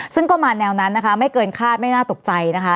ซึ่งประมาณแนวนั้นไม่เกินคาดไม่น่าตกใจ